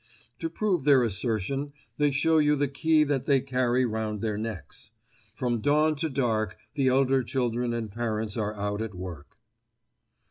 To prove their assertion they show you the key that they carry round their necks. From dawn to dark the elder children and parents are out at work.